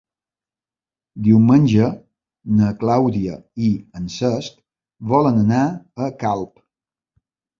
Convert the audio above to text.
Diumenge na Clàudia i en Cesc volen anar a Calp.